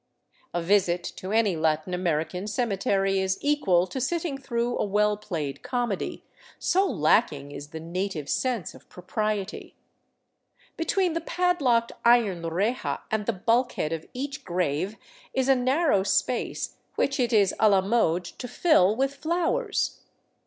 A visit to any Latin American cemetery is equal to sitting through a well played comedy, so lacking is the native sense of propriety. Between the padlocked iron reja and the bulkhead of each grave is a narrow space which it is a la mode to fill with flowers.